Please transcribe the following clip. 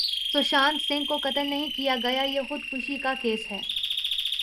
سشانت سنگھ کو قتل نہیں کیا گیا یہ خودکشی کا کیس ہے